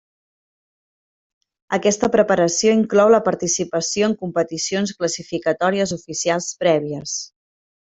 Aquesta preparació inclou la participació en competicions classificatòries oficials prèvies.